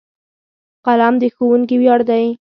قلم د ښوونکي ویاړ دی.